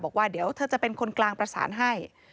ก็ไม่รู้ว่าฟ้าจะระแวงพอพานหรือเปล่า